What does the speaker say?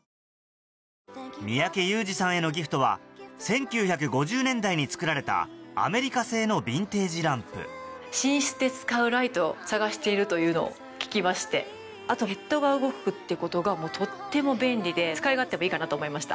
三宅裕司さんへのギフトは１９５０年代に作られたアメリカ製のビンテージランプ寝室で使うライトを探しているというのを聞きましてあとヘッドが動くってことがとっても便利で使い勝手もいいかなと思いました。